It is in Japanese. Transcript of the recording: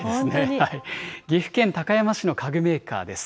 岐阜県高山市の家具メーカーです。